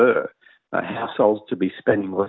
rumah rumah harus menghabiskan lebih dari dua puluh lima